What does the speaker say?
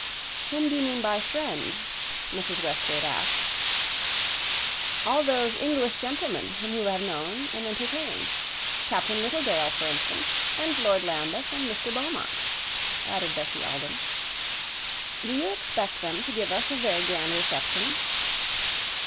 "Whom do you mean by friends?" Mrs. Westgate asked. "All those English gentlemen whom you have known and entertained. Captain Littledale, for instance. And Lord Lambeth and Mr. Beaumont," added Bessie Alden. "Do you expect them to give us a very grand reception?"